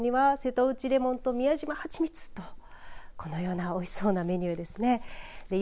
デザートには瀬戸内レモンと宮島蜂蜜とこのようなおいしそうなメニューですね。